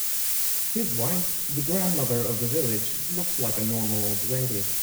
His wife, the Grandmother of the Village, looks like a normal old lady.